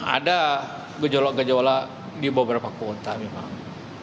ada gejolak gejolak di beberapa kota memang